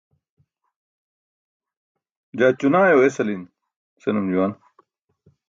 Jaa ćunaaẏo esali̇n, senum juwan.